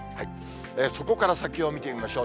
そこから先を見てみましょう。